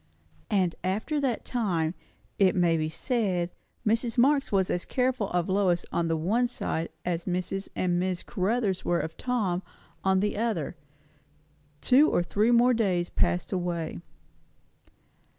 And after that time, it may be said, Mrs. Marx was as careful of Lois on the one side as Mrs. and Miss Caruthers were of Tom on the other. Two or three more days passed away.